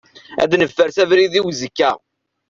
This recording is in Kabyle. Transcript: Ad nfers abrid i uzekka.